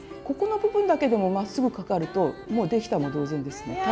ここの部分だけでもまっすぐかかるともう出来たも同然ですね。